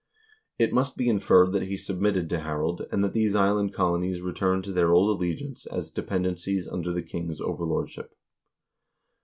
It must be inferred that he submitted to Harald, and that these island colonies returned to their old allegiance as dependencies under the king's overlordship.